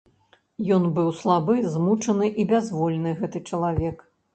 Ён быў слабы, змучаны і бязвольны, гэты чалавек.